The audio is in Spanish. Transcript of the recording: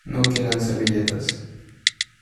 No quedan servilletas.